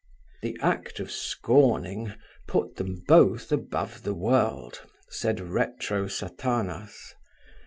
The act of seeming put them both above the world, said retro Sathanas!